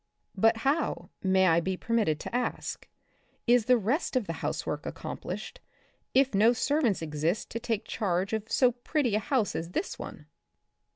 " But how, may I be permitted to ask, is the rest of the housework accomplished, if no ser vants exist to take charge of so pretty a house as this one